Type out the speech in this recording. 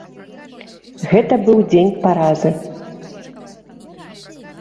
Гэта быў дзень паразы.